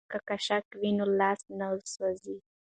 که قاشقه وي نو لاس نه سوځي.